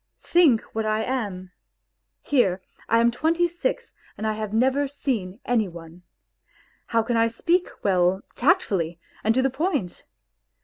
Think what I am ! Here, I am twenty six and I have never seen any one. How can I speak well, tactfully, and to the point